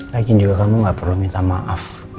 lagi juga kamu gak perlu minta maaf